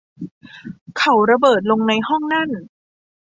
เขาระเบิดลงในห้องนั่น